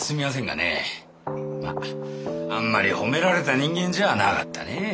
まああんまり褒められた人間じゃなかったね。